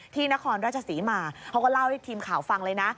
นครราชศรีมาเขาก็เล่าให้ทีมข่าวฟังเลยนะ